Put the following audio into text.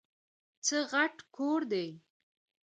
څه غټ کور دی ؟!